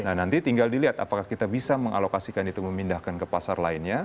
nah nanti tinggal dilihat apakah kita bisa mengalokasikan itu memindahkan ke pasar lainnya